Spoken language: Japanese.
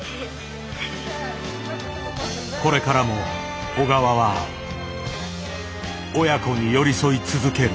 これからも小川は親子に寄り添い続ける。